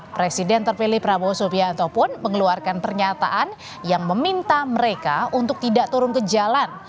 presiden terpilih prabowo subianto pun mengeluarkan pernyataan yang meminta mereka untuk tidak turun ke jalan